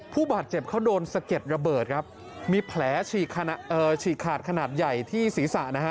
ผู้บาดเจ็บเขาโดนสะเก็ดระเบิดครับมีแผลฉีกขาดขนาดใหญ่ที่ศีรษะนะฮะ